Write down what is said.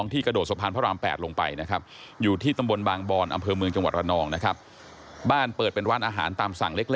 ที่สู่ระบู่ว่า